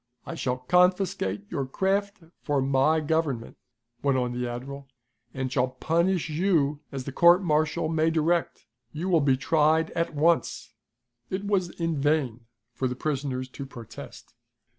"I shall confiscate your craft for my government," went on the admiral, "and shall punish you as the court martial may direct. You will be tried at once." It was in vain for the prisoners to protest.